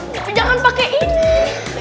tapi jangan pakai ini